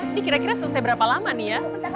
ini kira kira selesai berapa lama nih ya